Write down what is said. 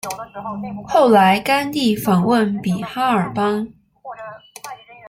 后来甘地访问比哈尔邦。